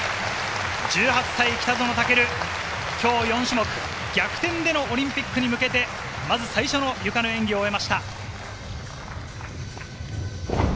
１８歳・北園丈琉、今日４種目、逆転でのオリンピックに向けて、まず最初のゆかの演技を終えました。